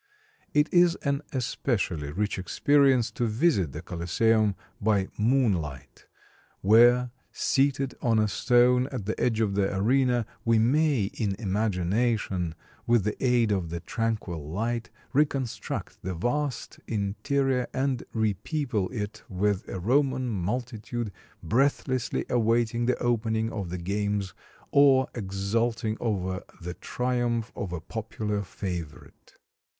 It is an especially rich experience to visit the Colosseum by moonlight, where, seated on a stone at the edge of the arena, we may in imagination, with the aid of the tranquil light, reconstruct the vast interior and repeople it with a Roman multitude breathlessly awaiting the opening of the games or exulting over the triumph of a popular favorite.